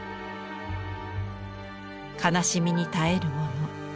悲しみに耐える者。